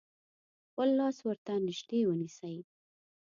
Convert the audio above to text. خپل لاس ورته نژدې ونیسئ.